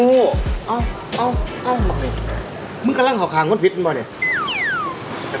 อ้าวมึงกำลังข่าวคางก้นพิษมั้งบ่อย